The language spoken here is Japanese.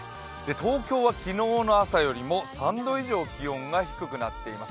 東京は昨日の朝よりも３度以上気温が低くなっています。